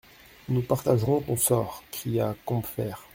Nous partagerons ton sort, cria Combeferre.